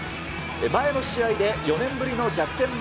前の試合で４年ぶりの逆転